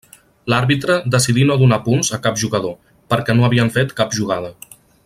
L'àrbitre decidí no donar punts a cap jugador, perquè no havien fet cap jugada.